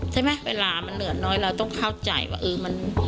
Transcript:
เวลามันเหลือน้อยเราต้องเข้าใจว่าเออมัน